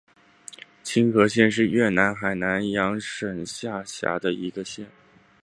青河县是越南海阳省下辖的一个县。